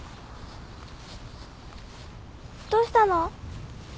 どうしたの？